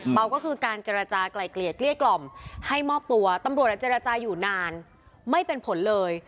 ก็คือการเจรจากลายเกลี่ยเกลี้ยกล่อมให้มอบตัวตำรวจเจรจาอยู่นานไม่เป็นผลเลย